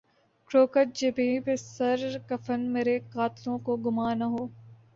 کرو کج جبیں پہ سر کفن مرے قاتلوں کو گماں نہ ہو